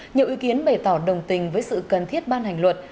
nhiều ý kiến bày tỏ đồng tình với sự cần thiết ban hành luật